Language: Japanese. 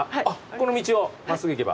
この道を真っすぐ行けば？